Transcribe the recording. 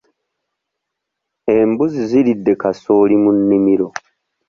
Embuzi ziridde kasooli mu nnimiro.